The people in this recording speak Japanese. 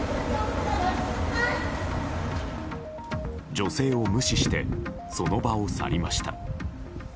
女性を無視してその場を去りました。